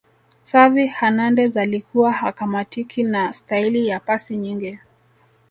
xavi hernandez alikuwa hakamatiki na staili ya pasi nyingi